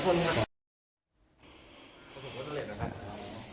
คนเดียวกับอีกคนมา๒คน